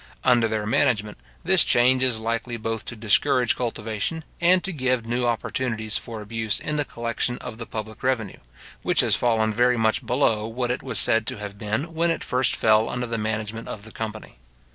Under their management, this change is likely both to discourage cultivation, and to give new opportunities for abuse in the collection of the public revenue, which has fallen very much below what it was said to have been when it first fell under the management of the company.